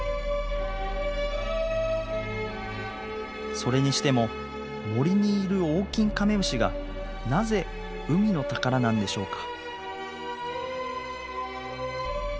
それにしても森にいるオオキンカメムシがなぜ海の宝なんでしょうか？